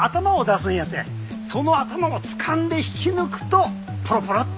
その頭をつかんで引き抜くとポロポロッ。